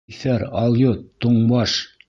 Иҫәр, алйот, туңбаш!